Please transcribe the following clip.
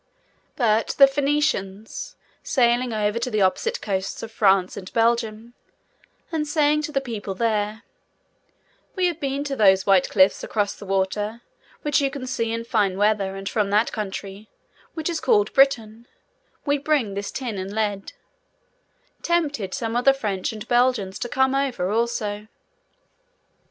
But the Phœnicians, sailing over to the opposite coasts of France and Belgium, and saying to the people there, 'We have been to those white cliffs across the water, which you can see in fine weather, and from that country, which is called Britain, we bring this tin and lead,' tempted some of the French and Belgians to come over also.